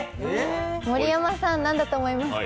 盛山さん、何だと思いますか？